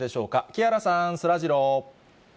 木原さん、そらジロー。